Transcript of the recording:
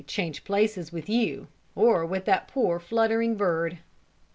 change places with you, or with that poor fluttering bird?"